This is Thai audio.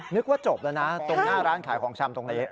นึกว่าจบแล้วนะตรงหน้าร้านขายของชำตรงนี้